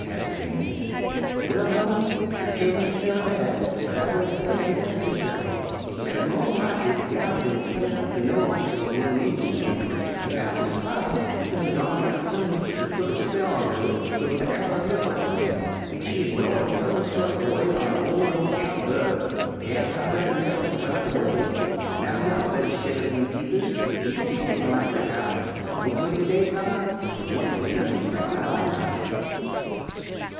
asked Janey. "Well, honey, de tale ain' tell dat, but I done study hit out dis a way, dat mo'n likely de gal bin turnin' up her nose at some young Injun man, an' outer spite he done gone an' got some witch ter putt a spell on her so's't de Owl 'ud look lak a man an' she 'ud go an' th'ow husse'f away on a ol' no kyount bu'd. Yas, I reckon dat wuz 'bout de way. An' now y'all better shet up dem peepers er you'll be gittin' lak de owls, no good in de day time, an' wantin' ter be up an' prowlin' all night."